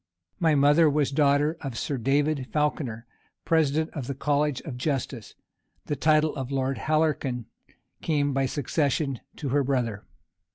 My mother was daughter of Sir David Falconer, president of the college of justice; the title of Lord Halkerton came by succession to her brother.